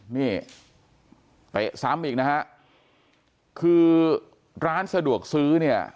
นี่เตะซ้ำอีกนะฮะคือร้านสะดวกซื้อเนี่ย